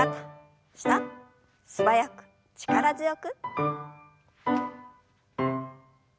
素早く力強く。